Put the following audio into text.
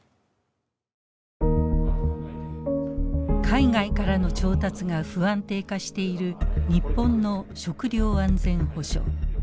海外からの調達が不安定化している日本の食料安全保障。